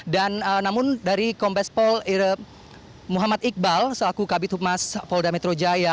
dan namun dari kompas pol muhammad iqbal selaku kabit hukmas polda metro jaya